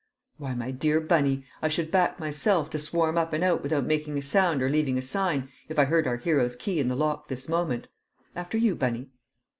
"Why, my dear Bunny, I should back myself to swarm up and out without making a sound or leaving a sign, if I heard our hero's key in the lock this moment. After you, Bunny."